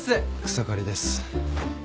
草刈です。